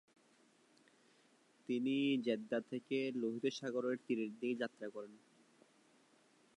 তিনি জেদ্দা থেকে লোহিত সাগরের তীরের দিকে যাত্রা করেন।